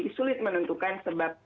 jadi sulit menentukan sebab